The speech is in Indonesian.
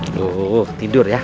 aduh tidur ya